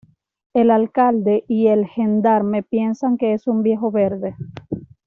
El alcalde y el gendarme piensan que es un viejo verde.